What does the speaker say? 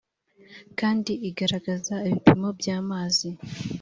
kandi igaragaza ibipimo by amazi